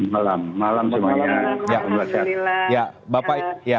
malam malam semuanya